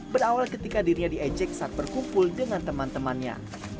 berawal ketika dirinya diejek saat berkumpul dengan teman temannya